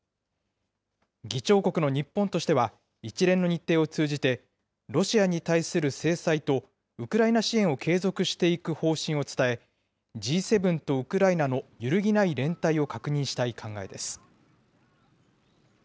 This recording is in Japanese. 議長国の日本としては一連の日程を通じて、ロシアに対する制裁とウクライナ支援を継続していく方針を伝え、Ｇ７とウクライナの揺るぎない連帯を確認したい考えです。